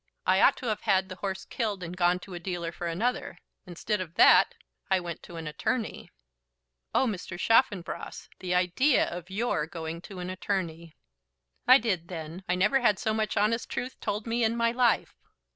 I ought to have had the horse killed, and gone to a dealer for another. Instead of that, I went to an attorney." "Oh, Mr. Chaffanbrass; the idea of your going to an attorney." "I did then. I never had so much honest truth told me in my life."